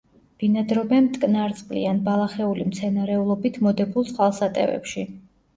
ბინადრობენ მტკნარწყლიან, ბალახეული მცენარეულობით მოდებულ წყალსატევებში.